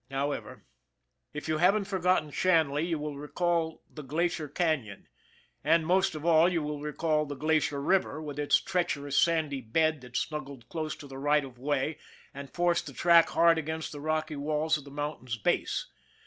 However If you haven't forgotten Shanley you will recall the Glacier Canon, and, most of all, you will recall the Glacier River with its treacherous sandy bed that snug gled close to the right of way and forced the track hard against the rocky walls of the mountain's base.